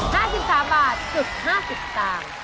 ๕๔บาทถึง๕๐ต่าง